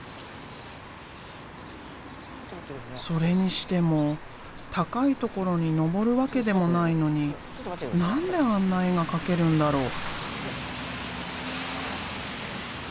それにしても高いところにのぼるわけでもないのに何であんな絵が描けるんだろう？